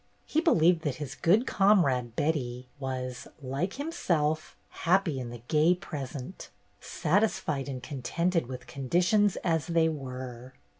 He believed that his good comrade, Betty, was, like himself, happy in the gay present, satisfied and contented with conditions as they were.